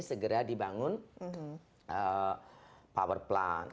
segera dibangun power plant